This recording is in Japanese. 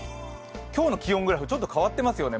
今日の気温グラフちょっと変わっていますよね。